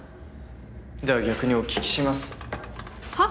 では逆にお聞きします。は？